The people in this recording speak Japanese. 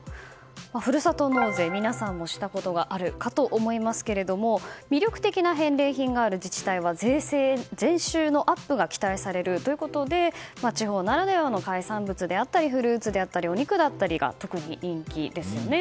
ふるさと納税、皆さんもしたことがあるかと思いますが魅力的な返礼品がある自治体は税収のアップが期待されるということで地方ならではの海産物であったりフルーツだったりお肉だったりが特に人気ですよね。